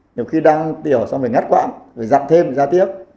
nhiều khi đang tiểu xong rồi ngắt quãng rồi dặn thêm rồi ra tiếp